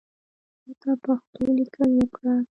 ماته پښتو لیکل اوکړه